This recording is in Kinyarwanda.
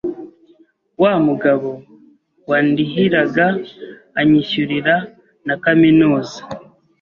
wa mugabo wandihiraga anyishyurira na kaminuza